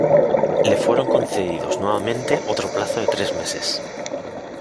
Le fueron concedidos, nuevamente, otro plazo de tres meses.